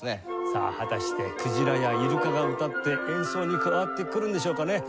さあ果たしてクジラやイルカが歌って演奏に加わってくるんでしょうかね？